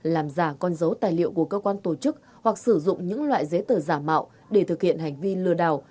làm giả con dấu tài liệu của cơ quan tổ chức hoặc sử dụng những loại giấy tờ giả mạo để thực hiện hành vi lừa đảo